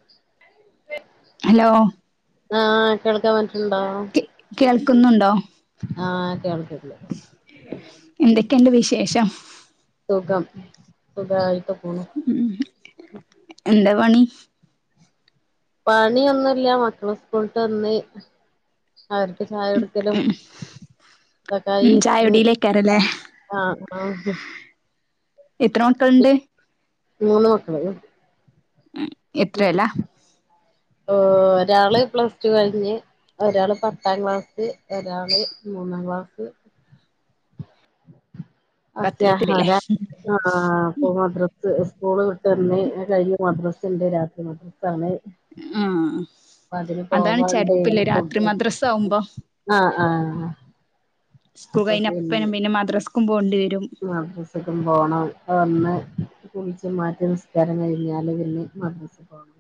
[inaudible] Hello ആഹ്‌ കേൾക്കാൻ പറ്റുന്നുണ്ടോ കേൾക്കുന്നുണ്ടോ ആഹ്‌ കേൾക്ക്ല് എന്തൊക്കെയുണ്ട് വിശേഷം സുഖം സുഖായിയിട്ട് പോണു ഉം എന്താ പണി പണിയൊന്നുല്ല മക്കള് സ്കൂള്ട്ട് വന്ന് അവർക്ക് ചായടുക്കലും ഉം [unintelligible] ചായകുടിയിലേക്കാരല്ലേ ആഹ് ആഹ്‌ എത്ര മക്കളുണ്ട് മൂന്ന് മക്കള് ഉം എത്രയലാ ഓ ഒരാള് പ്ലസ് ടു കഴിഞ്ഞ് ഒരാള് പത്താം ക്ലാസ് ഒരാള് മൂന്നാം ക്ലാസ് [unintelligible] പത്തിലൊക്കെല്ലേ ആഹ് അപ്പൊ മദ്രസ് സ്കൂള് വിട്ടു വന്ന് അത്കഴിഞ്ഞ് മദ്രസ്ണ്ട് രാത്രി മ [unintelligible] ആഹ് അതാണ് പോവാണ്ട് ചെറിപ്പില്ലെ രാത്രി ഫുഡ് മദ്രസ ആവുമ്പോ ആഹ് ആഹ് സ്കൂൾ അപ്പൊ കഴിഞ്ഞ അപ്പന്നെ പിന്നെ മദ്രസ്ക്കും പോണ്ടി വരും. മദ്രസ്ക്കും പോണം. ഒന്ന്, കുളിച്ച് മാറ്റി നിസ്കാരം കഴിഞ്ഞാൽ പിന്നിം മദ്രസ് പോണം.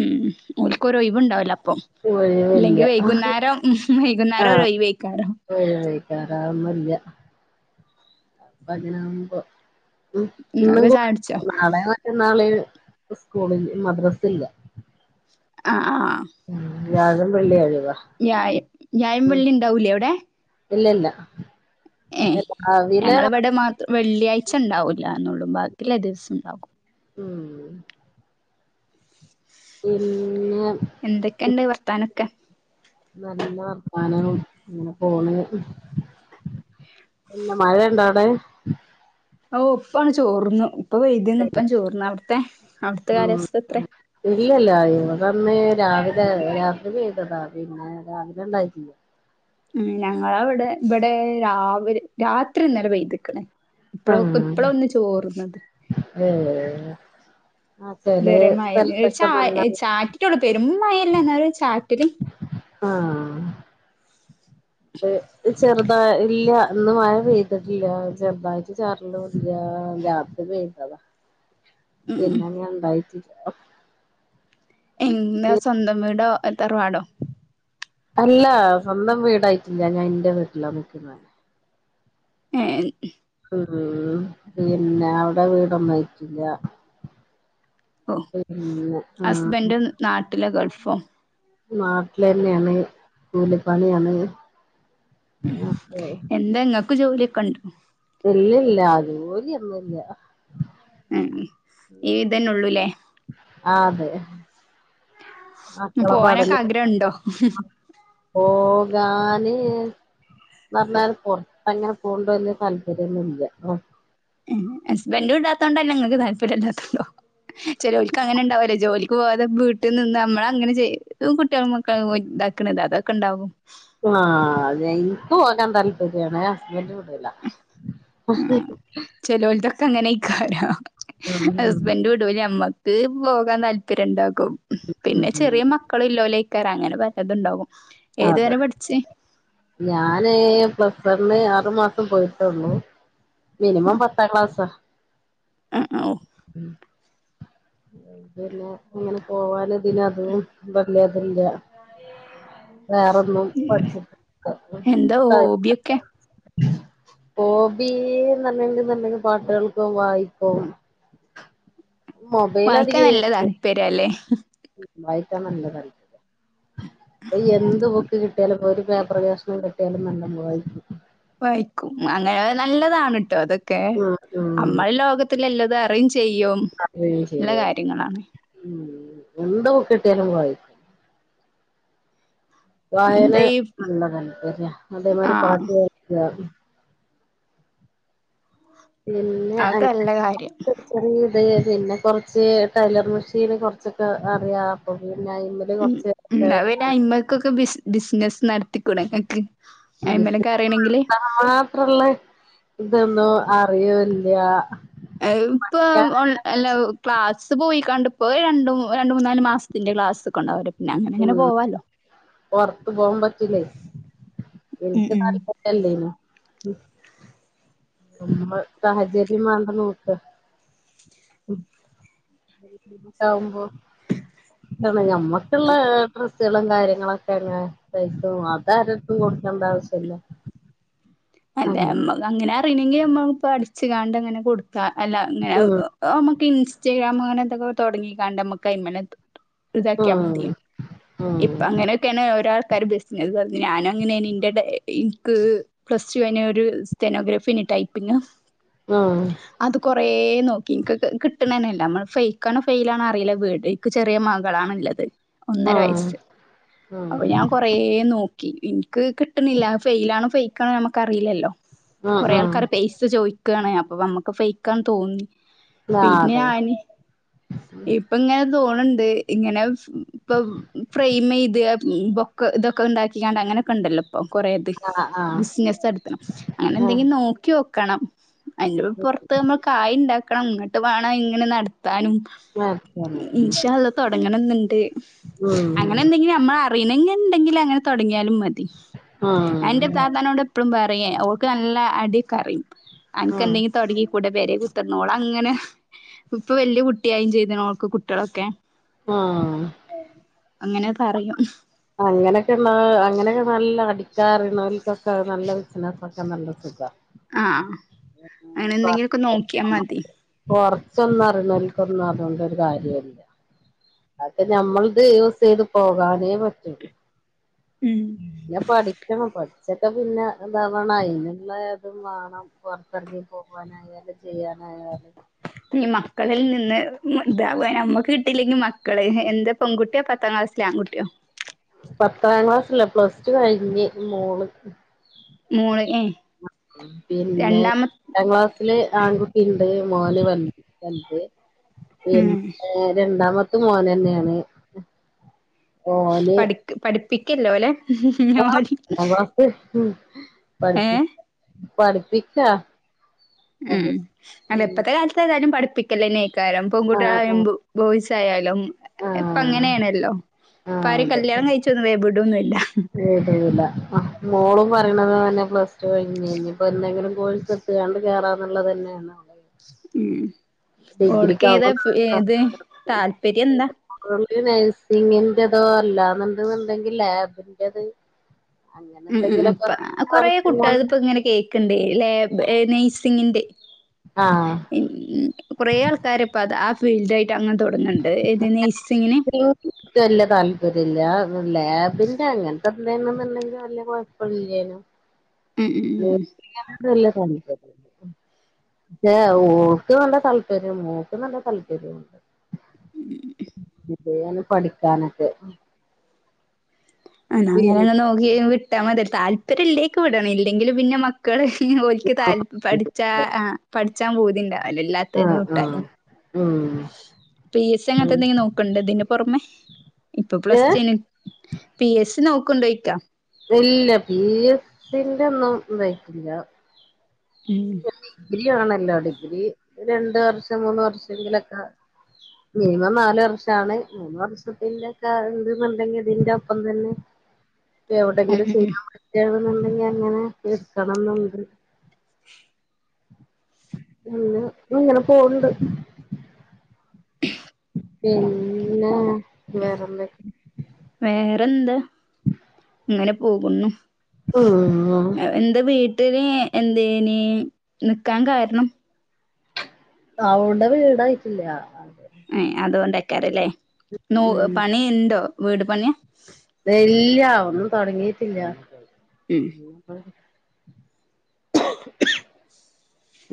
ഉം ഓൽക്കൊരൊയിവ് ണ്ടാവുല അപ്പം. ഇല്ലെങ്കി ഒഴിവില്ല വൈകുന്നേരം വൈകുന്നേരം ഒരൊയിവേക്കാരം. പ്പൊയിവേക്കാരം അതൊന്നുല്ല്യ. അപ്പ അതിനാവുമ്പോ ഉം ഇന്നും നിങ്ങളൊക്കെ കൂടി ചായ കുടിച്ചോ [unintelligible] നാളെ മറ്റന്നാള് സ്കൂളിൽ മദ്രസില്ല. ആഹ് ആഹ്. ഉം വ്യാഴം വെള്ളി ഒഴിവാ ഞായം ഞായം ഉം വെള്ളി ഇണ്ടാവൂലേ അവ്ടെ? ഇല്ലല്ല. പിന്നെ രാവിലെ മ ത് വെള്ളിയാഴ്ച ഉണ്ടാവൂല്ലാന്നൊള്ളു ബാക്കിള്ളെ ദിവസും ണ്ടാകും. ഉം പിന്നെ എന്തൊക്കെണ്ട് വർത്താനൊക്കെ? നല്ല വർത്താനം ഇങ്ങനെ പോണ്. പിന്നെ മഴണ്ടോ അവ്ടെ? ഔഹ്. ഇപ്പാണ് ചോർന്നു ഇപ്പൊ വെയ്തിന്നു ഇപ്പൻ ചോർന്നു. അവ്ട്ത്തെ അവ്ട്ത്തെ ഉം കാലാവസ്ഥ എത്രേ? ഇല്ലല്ല യിവടന്ന് രാവിലെ രാത്രി പെയ്തതാ പിന്നെ രാവിലെ ഇണ്ടായിട്ടില്ല. ഉം ഞങ്ങളവടെ ഇബടെ രാവില് രാത്രി ഇന്നലെ പെയ്ത് ക്ക്ണ്. ഇപ്പളോ ക്ക്‌ ആഹ് ഇപ്പളാ ഒന്ന് ചോർന്നത്. ഏ ആ ഇതു ചെലെ വരെ മഴ ഒര് സ്ഥലത്തൊക്കെ ചാ നല്ല ചാറ്റിട്ടൊള്ളൂ പെരുമ്മഴല്ല ന്നാലൊരു ചാറ്റല് ആഹ്. ചെറുത ഇല്ല ഇന്ന് മയ പെയ്തിട്ടില്ല ചെറുതായിട്ട് ചാർണുല്ല രാ ത്രി പെയ്തെത. ഉം പിന്നങ്ങ ണ്ടായിട്ടില്ല. എഹ് ന്നളെ സ്വന്തം വീടോ തറവാടോ? അല്ല സ്വന്തം വീടായിട്ടില്ല ഞാൻ ഇന്റെ വീട്ടിലാ നിക്ക്ന്നെ. ഏഹ്ൻ മ്. പിന്നെ അവിടെ വീടൊന്നും ആയിറ്റില്ല. ഒഹ്. ആഹ് ഹസ്ബൻഡും നാട്ടിലൊ ഗൾഫോ? നാട്ടിലെന്നേണ് കൂലിപ്പണിയാണ്. ഉം അപ്പൊ എന്താ ഇങ്ങക്ക് ജോലിയൊക്കെണ്ടോ? ഇല്ലല്ല ജോലിയൊന്നുംല്ല. ഉം ഈതന്നെ ഉള്ളു ല്ലേ? അതെ മക്കളെ പോവാനൊക്കെ പഠനം ആഗ്രഹം ണ്ടോ? പോകാന് ന്നർഞ്ഞാല് പൊർത്തങ്ങനെ പോണ്ടോ ല്ലെ താല്പര്യൊന്നുല്ല. ഏഹ്. ഹസ്ബൻഡ് വിടാത്തോണ്ടല്ല ഇങ്ങക്ക് താല്പര്യം ഇല്ലാത്തോണ്ടോ? ചെലോൽക്ക് അങ്ങനെ ഉണ്ടാവൊല്ലേ ജോലിക്ക് പോവാതെ വീട്ട് നിന്ന് നമ്മളങ്ങനെ ചെയ് കുട്ട്യേളും മ ക്കളും ഇതാക്ണത് അതൊക്കെ ണ്ടാവും. ആഹ് തെ. ഇൻക്ക് പോകാൻ താല്പര്യാണ് ഹസ്ബൻഡ് വിടൂല. ആഹ് [unintelligible] ചെലോൽതൊക്കെ അങ്ങെനേയ്ക്കാരം. ഉം ഹസ്ബൻഡ് വിടൂലാ നമ്മക്ക് പോകാൻ താല്പര്യം ഇണ്ടാവും ഉം പിന്നെ ഉം ചെറിയ മക്കള് ഇള്ളോലായിക്കാരം അങ്ങനെ പലത്ണ്ടാവും ഏതു അതെ വരെ പഠിച്ച് ഞാന് പ്ലസ് വണ്ണ് ആറു മാസം പോയിട്ടോള്ളു മിനിമം ഉം പത്താം ക്ലാസ്സാ ആഹ് ഓഹ് ഉം പിന്നെ ഇങ്ങനെ പോവനും ഇതിനും അതും വല്യതില്ലാ ആ വേറൊന്നും പഠിച്ചി എന്താ ഹോബിയൊക്കെ [unintelligible] ഹോബീന്ന് [unintelligible] പാട്ടുകേൾക്കും വായിക്കും മൊബൈല് വായിക്കാൻ അധികം നല്ല യൂസ് താല്പര്യല്ലേ വായിക്കാൻ നല്ലത [unintelligible] ഇപ്പ എന്ത് ബുക് കിട്ടിയാലും ഇപ്പം ഒര് പേപ്പർ കഷ്ണം കിട്ടിയാലും നല്ലോം വായിക്കും വായിക്കും അങ്ങനെ നല്ലതാണട്ടോ അതൊക്കെ ഉം ഉം നമ്മളെ ലോകത് ത്ത്ല്ലെതും അറിയും ചെയ്യും അറിയും നല്ല ചെയ്യും കാര്യങ്ങളാണ് ഉം എന്ത് ബുക്ക്‌ കിട്ടിയാലും വായി വായന എന്താ ഈ നല്ലത [unintelligible] അതേമാരി പാട്ട് ആഹ് കേക്കാ പിന്നെ അതൊക്കെ [unintelligible] നല്ല കാര്യം ചെറിയ ഇത് പിന്നെ കൊറച്ച് ടൈലർ മെഷീന് കൊറച്ചൊക്കെ അറിയാം അപ്പൊ പിന്നെ ഉം കൊറച്ച് ഉം അത് പിന്നെ അയിൽമ്മ്ക്കൊക്കെ ബിസി ബിസിനസ്സ് നടത്തിക്കൂടെങ്ങക്ക് അയിമ്മിലൊക്കെ ബിസിനസ് അറിയണെങ്കില് [unintelligible] മാത്രള്ള ഇതൊന്നും അറിയൂല്ലാ [unintelligible] ക്ലാസ്സ് പോയി കാണ്ട് ഇപ്പം രണ്ട് രണ്ട് മൂന്നാല് മാസ ഇതിന്റെ ക്ലാസ്സെക്കെ ഇണ്ടാവല്ലോ പിന്നെ അങ്ങനെ ഇങ്ങനെ പോവാല്ലോ പൊറത്തു പോവാൻ പറ്റില്ലേ എനിക്ക് താല്പര്യ ഇല്ലേനു [unintelligible] സാഹചര്യം വേണ്ടെ നോക്കാ ഇണ്ടാവുമ്പം എന്താണ് ഞമ്മക്ക്ള്ളെ ഡ്രസ് ഡ്രസ്സ്കളും‌ കാര്യങ്ങളൊക്കെ അങ്ങനെ പൈസേം അത് ആരെട്ത്തും കൊടുക്കേണ്ട ആവശ്യല്ലാ അല്ല ഞമ്മക്ക് അങ്ങനെ അറിയണെങ്കി ഞമ്മ ഇപ്പ അടിച്ച്ങ്ങാണ്ട് അങ്ങനെ കൊടുക് അല്ല അങ്ങനെ ഉം ഏഹ് നമ്മക്ക് ഇൻസ്റ്റാഗ്രാം അങ്ങനെന്തൊങ്ങും തൊടങ്ങിക്കാണ്ട് നമ്മക്കയിമില് ഇതാക്കിയാ മതി ഉം ഇപ്പ ഉം അങ്ങനെയൊക്കെയാണ് ഒരോ ആൾക്കാര് ബിസിനസ് പറഞ്ഞ് ഞാനും അങ്ങനെയേനി ഇന്റെ [unintelligible] ഇൻക്ക് പ്ലസ് ടു കയിഞ്ഞ് ഒരു സ്റ്റെനോഗ്രാഫേന് ടൈപ്പിങ് ആഹ് അത് കൊറേ നോക്കി ഇൻക്ക് ക് കിട്ടണെന്നില്ലാ നമ്മള് ഫെയ് ക്കാണോ ഫെയിൽ ആണോ അറിയില്ലാ വീട് ഇക്ക് ചെറിയ മകളാണ്ള്ളത് ആഹ് അപ്പ ഞാൻ കൊ കൊറേ നോക്കി ഇൻക്ക് കിട്ട്ണില്ലാ അത് ഫെയിൽ ആണോ ഫെയ്ക്കണോ ഞമ്മക്കറിയില്ലല്ലോ ഉം കൊറെ ഉം ആൾക്കാര് പെയിസ ചോയിക്കാണ് അപ്പ നമ്മക്ക് ഫെയിക്കാന്ന് തോന്നി ആ പിന്നെ അതെ ഞാന് ഇപ്പ ഇങ്ങനെ തോണ് ണ്ട് ഇങ്ങനെ ഇപ്പം ഫ്രെയിമെയ്ത് ബൊക്ക ഇതൊക്കെ ഇണ്ടാക്കിങ്ങാണ്ട് അങ്ങനൊക്കെ ഇണ്ടല്ലോ അപ്പൊ കൊറേത് ആ ആ ആ ബിസിനസ് നടത്തണം അങ്ങനെ ഉം എന്തെങ്കി നോക്കി നോക്കണം അയിന്റെ പൊറത്ത് നമ്മള് കായി ഇണ്ടാക്കണം ഇങ്ങട്ട് വേണം ഇങ്ങനെ നടത്താനും ഉം ഇൻഷാ അള്ളാ തൊടങ്ങണന്ന്ണ്ട് അങ്ങനെ ഉം എന്തെങ്കിലും നമ്മളെ അ [unintelligible] ഇണ്ടെങ്കിൽ അങ്ങനെ തൊടങ്ങിയാലും മതി ഞാ ഇന്റെ താത്താനോടെപ്പഴും പറയേ ഓൾക്ക് നല്ല അടി ഒക്കറിം ഉം അൻക്കെന്തെങ്കിം തൊടങ്ങി കൂടെ പെരെ കുത്തർന്ന് ഒളങ്ങനെ ഇപ്പൊ വല്യ കുട്ടിയായിം ചെയ്തിള് ഓൾക്ക് കുട്ടികളൊക്കെ ആഹ് അങ്ങനെ പറയും അങ്ങനെയൊക്കെന്നാ അങ്ങനെക്കെ നല്ല അടിക്കാൻ അറിയുന്നോൽക്കൊക്കെ അഹ് നല്ല ബിസിനസാക്കിയ നല്ല സുഖ ആഹ് അങ്ങനെന്തെങ്കിലൊക്കെ നോക്കിയാ മതി കൊർച്ചൊന്നു അറിന്നോൽക്കൊന്നും അതോണ്ടൊരു കാര്യല്ല അതെ നമ്മൾതെ യൂസെയ്ത് പോകാനേ പറ്റൊള്ളൂ ഉം പിന്നെ പഠിക്കണം പഠി ച്ചിട്ടൊക്കെ പിന്നെ ഇതാവണം അയ്നെള്ളെ ഇതും മാണം പൊർത്തെറങ്ങി പോവാനായാലും, ചെയ്യാനായാലും ഈ മക്കളിൽ നിന്ന് ഇത് അപ്പൊ നമ്മക്ക് കിട്ടിയില്ലെങ്കി മക്കള് എന്താ പെൺകുട്ടിയാ പത്താം ക്ലാസ് ലാ ആൺ കുട്ടിയോ? പത്താം ക്ലാസ്ലല്ല പ്ല സ് ടു കയ്ഞ്ഞ് മോള് മോള് ഏഹ് ഉം പിന്നെ രണ്ടാമ എട്ടാം ക്ലാസില് ആൺകുട്ടിയിണ്ട് മോന് വെൽത് പിന്നെ ഉം രണ്ടാമത്തും മോനന്നേണ് ഓന് പഠിപ്പിക്കില്ലോലെ? ഒന്നാം ഇഞ്ഞോലിം ക്ലാസ് ഉം ഏഹ് പഠിപ്പി പഠിപ്പിക്കാ ഉം അതെ അല്ല ഉം ഇപ്പത്തെ കാലത്ത് ഏതായാലും പഠിപ്പിക്കലേന്നേക്കാരം ആഹ് ആഹ് പെൺകുട്ടികളായലും ബോയ്സായാലും ആഹ് ഇപ്പങ്ങനെയാണല്ലോ? ആഹ് ഇപ്പാരിം അതെ കല്യാണം കഴിച്ചൊന്നും വേം ബിടൊന്നുല്ല വിടൂല മോളും പറയ്ണത് അതന്നെ പ്ലസ്ടു കഴിഞ്ഞ് ഇഞ്പ്പോ എന്തെങ്കിലും കോഴസ് എ ട്ത്ത്ക്കാണ്ട് കേറാന്നുള്ളതന്നെയാണ് ഉം ഓൾക്കേത ഡിഗ്രിക്കാവുമ്പോ ഇത് താല്പര്യം എന്താ? ഓൾക്ക് നഴ്സിങ്ങിന്റെതോ അല്ലാന്ന് ഇണ്ടെന്നുണ്ടെങ്കി ലാബിന്റത് അങ്ങനെ ഉം ഉം എന്തെങ്കിലൊക്കെ ഇപ്പ കൊറേ കുട്ട്യൾത്പ്പെങ്ങനെ കേക്ക്ണ്ടേ ലാബ് നഴ്സിങ്ങിന്റെ ആഹ് ഉം കൊറേ ആൾക്കാര് ഇപ്പത ആ ഫീൽഡായിട്ടങ്ങനെ തൊടങ്ങ്ണ്ട് ഇത് നേഴ്സിങ്ങിന് ഇൻക്ക് വല്യ താൽപര്യല്ല ലാബിന്റെ അങ്ങൻത്തെക്കെ എന്നുണ്ടെങ്കി വല്യ കൊഴപ്പല്ലേനും ഉം ഉം ഉം ഇക്ക് വല്ല്യ [unintelligible] പക്ഷേ ഓക്ക് നല്ല താല്പര്യം ഓക്ക് നല്ല താല്പര്യാന്ന് ഉം [unintelligible] പഠിക്കാനൊക്കെ ആഹ് ഇന്നാ അങ്ങനൊന്ന് നോക്കി വിട്ടാ മതി താല്പര്യ ഇല്ലേക്ക് വിടണം അല്ലെങ്കി പിന്നെ മക്കള് ഓൽക്ക് താല്പ പഠിച്ച ആഹ് പഠിച്ചാം പൂതിണ്ടാവുല്ലാല എല്ലാ ആഹ് ആഹ് ഉം പി. എ. സി അങ്ങനെത്തെ എന്തെങ്കിലും നോക്കണ്ടോ ഇതിന്റെ പൊറമെ ഇപ്പൊ ഏ പ്ലസ്ടു കയ് പി എ സി നോക്ക്ണ്ടോയ്ക്കാ? ഇല്ല പി എ സിന്റെ ഒന്നും ഇതായ്റ്റില്ല ഉം ഡിഗ്രിവാണല്ലോ ഡിഗ്രി രണ്ട് വർഷം മൂന്ന് വർഷങ്കിലൊക്കെ മിനിമം നാല് വർഷാണ് മൂന്ന് വർഷത്തിന്റെക്കെ ഇണ്ട്ന്ന് ഇണ്ടെങ്കില് ഇതിന്റൊപ്പം തന്നെ ഉം എവിടെങ്കിലും ഉം ഉം ചെയ്യാൻ പറ്റാണ്ന്ന്ണ്ടെങ്കി അങ്ങനെ എടുക്കണംന്ന്ണ്ട് പിന്നെ ഇങ്ങനെ പോന്ന്ണ്ട് പിന്നെ വേറെന്തൊക്കെ വേറെന്ത്‌ ഉ ഇങ്ങനെ പോകുന്നു [unintelligible] എന്തെ വീട്ടില് എന്തേനി നിക്കാൻ കാരണം അവടെ വീടായിട്ടില്ല അത് അതുകൊണ്ടക്കാരംല്ലേ നൂ ഉം പണി ഇണ്ടോ വീട് പണിയാ ഏയ് ഇല്ല ഒന്നും തൊടങ്ങീട്ടില്ല ഉം ഇനീപ്പോ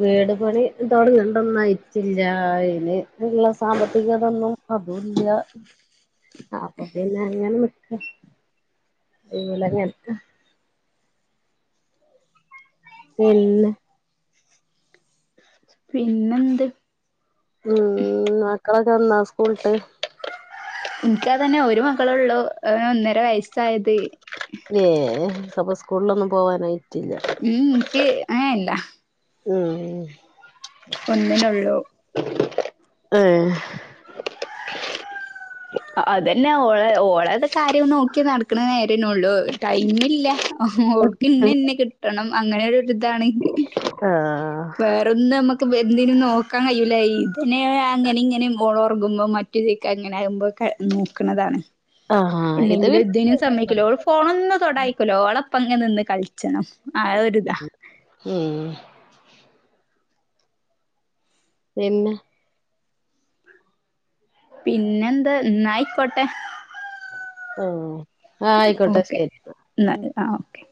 വീട് പണി തൊടങ്ങേണ്ടൊന്നായിട്ടില്ലാ ഇനി അതിനുള്ള സാമ്പത്തിക ഇതൊന്നും അതൂല്യ അപ്പ പിന്നെ അങ്ങനെ നിക് [unintelligible] പിന്നെ പിന്നെന്ത് ഉം മക്കളെക്കെവന്നാ സ്കൂളിട്ട് എനിക്കതന്നെ ഒരു മകളെ ഉള്ളു ഒന്നര വയസ്സായത് [unintelligible] അപ്പോ സ്കൂളിലൊന്നും പോവാനായിട്ടില്ല ഉം ഇക്ക് ഏഹ് ഇല്ല ഉം ഒന്നിനുള്ളൂ ആഹ് അതന്നെ ഓളെ ഓളടെ കാര്യം നോക്കി നടക്കണ നേരന്നേള്ളു ടൈമില്ല ഓൾക്ക് ഇന്നെ ഇന്നെ കിട്ടണം അങ്ങനൊരിതാണ് ആഹ് ഒന്ന് നമുക്ക് എന്തിനും നോക്കാൻ കഴിയൂല ഇതിനെ അങ്ങനെ ഇങ്ങനെ മോളൊറങ്ങുമ്പോ മറ്റ് [unintelligible] അങ്ങനെ ആകുമ്പോക്കെ നോക്കണതാണ് ആഹ് ഇത് ഇല്ലെങ്കിലും പിന്നെ ഇതിനും സമ്മയിക്കുല്ല ഓള് ഫോണൊന്ന് തൊടായിക്കൂല്ല ഓളൊപ്പ അങ്ങ് നിന്ന് കളിച്ചണം ആ ഒരിതാ ഉം പിന്ന പിന്നെന്ത് എന്നാ ആയ്ക്കോട്ടെ ആഹ് ആയിക്കോട്ടെ ശരീന്നാ എന്നാ ആഹ് ഓക്കെ